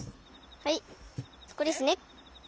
はいここですね。